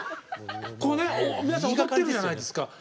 こうね皆さん踊ってるじゃないですか。